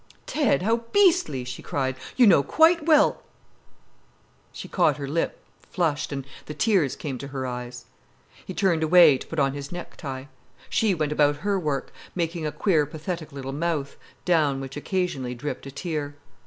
"Ted—how beastly!" she cried. "You know quite well——" She caught her lip, flushed, and the tears came to her eyes. He turned away, to put on his necktie. She went about her work, making a queer pathetic little mouth, down which occasionally dripped a tear.